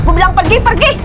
aku bilang pergi pergi